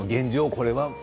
これは？